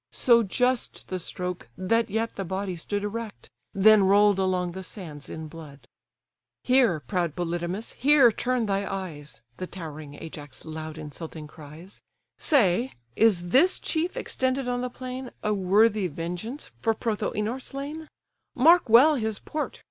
So just the stroke, that yet the body stood Erect, then roll'd along the sands in blood. "Here, proud Polydamas, here turn thy eyes! (The towering Ajax loud insulting cries:) Say, is this chief extended on the plain A worthy vengeance for Prothoënor slain? Mark well his port!